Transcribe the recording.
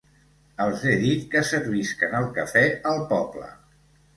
Els he dit que servisquen el café al poble.